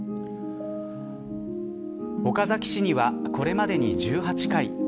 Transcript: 岡崎市には、これまでに１８回。